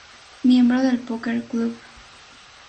Miembro del Poker Club.